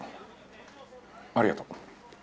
ありがとう。